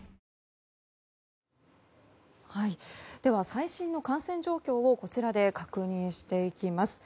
最新の感染状況をこちらで確認していきます。